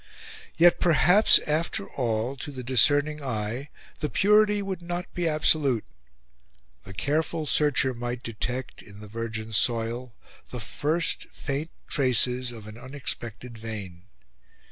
Yet perhaps, after all, to the discerning eye, the purity would not be absolute. The careful searcher might detect, in the virgin soil, the first faint traces of an unexpected vein.